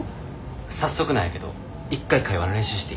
早速なんやけど一回会話の練習していい？